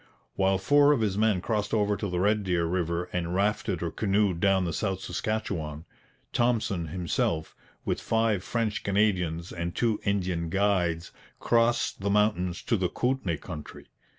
While four of his men crossed over to the Red Deer river and rafted or canoed down the South Saskatchewan, Thompson himself, with five French Canadians and two Indian guides, crossed the mountains to the Kootenay country.